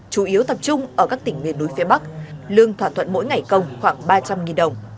chủ yếu tập trung ở các tỉnh miền núi phía bắc lương thỏa thuận mỗi ngày công khoảng ba trăm linh đồng